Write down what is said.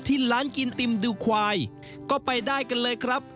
ที่ร้านกินติมดูควายก็ไปได้กันเลยครับ